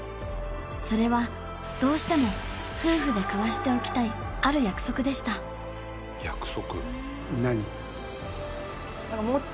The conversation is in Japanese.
それはどうしても夫婦で交わしておきたいある約束でした何？